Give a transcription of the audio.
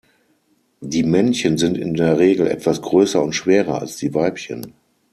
Die Männchen sind in der Regel etwas größer und schwerer als die Weibchen.